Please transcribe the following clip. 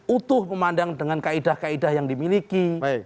utuh memandang dengan kaedah kaedah yang dimiliki